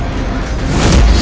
rayus rayus sensa pergi